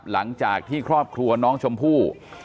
หลังจากที่ครอบครัวน้องชมพู่